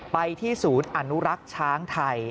ไปที่ศูนย์อนุรักษ์ช้างไทย